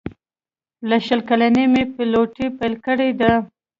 له شل کلنۍ مې پیلوټي پیل کړې ده.